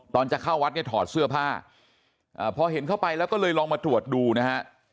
จะเข้าวัดเนี่ยถอดเสื้อผ้าพอเห็นเข้าไปแล้วก็เลยลองมาตรวจดูนะฮะ